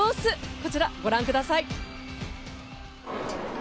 こちら、ご覧ください。